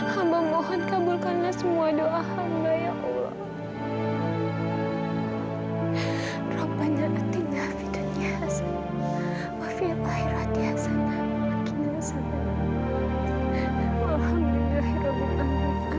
hamba mohon kabulkanlah semua doa hamba ya allah